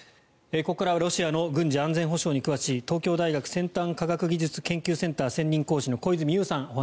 ここからはロシアの軍事・安全保障に詳しい東京大学先端科学技術研究センター専任講師の小泉悠さん